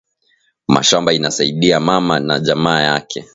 Mashamba ina saidiya mama na jamaa yake